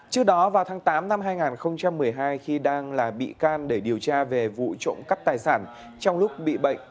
trước đó vào tháng tám năm hai nghìn một mươi hai khi đang là bị can để điều tra về vụ trộm cắp tài sản trong lúc bị bệnh